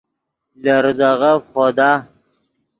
لے ریزے غف خودا